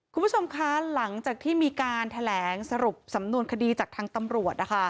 คุณผู้ชมคะหลังจากที่มีการแถลงสรุปสำนวนคดีจากทางตำรวจนะคะ